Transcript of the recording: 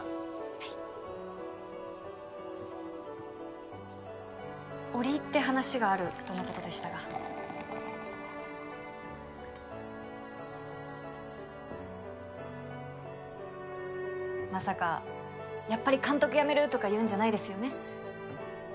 はい折り入って話があるとのことでしたがまさかやっぱり監督辞めるとか言うんじゃないですよね